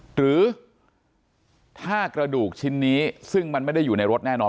หรือถ้ากระดูกชิ้นนี้ซึ่งมันไม่ได้อยู่ในรถแน่นอน